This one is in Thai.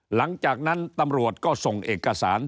หลังจากนั้นตำรวจก็ส่งเอกสาร